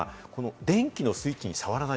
電気のスイッチに触れない。